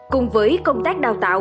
cùng với công tác đào tạo